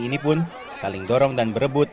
ini pun saling dorong dan berebut